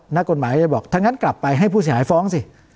นักกฎหมายจะบอกถ้างั้นกลับไปให้ผู้เสียหายฟ้องสิ